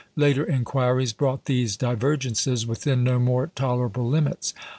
Later inquiries brought these divergences within no more tolerable limits.